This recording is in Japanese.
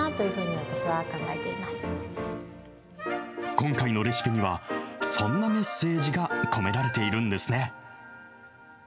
今回のレシピには、そんなメッセージが込められているんですね。